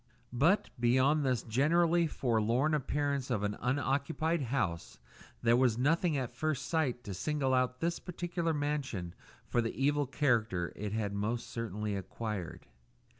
But, beyond this generally forlorn appearance of an unoccupied house, there was nothing at first sight to single out this particular mansion for the evil character it had most certainly acquired.